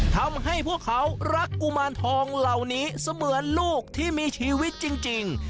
ทำให้พวกเขารักกุมารทองเหล่านี้เสมือนลูกที่มีชีวิตจริง